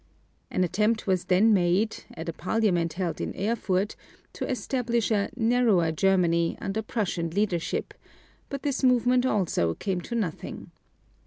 An attempt was then made, at a Parliament held in Erfurt, to establish a "narrower Germany" under Prussian leadership; but this movement also came to nothing.